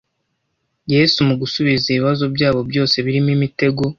Yesu mu gusubiza ibibazo byabo byose birimo imitego,